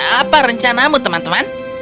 apa rencanamu teman teman